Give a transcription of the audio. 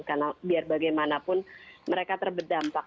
karena biar bagaimanapun mereka terbedampak